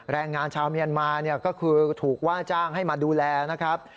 แรงงานชาวเมียนมาเนี่ยก็คือถูกว่าจ้างให้มาดูแลนะครับ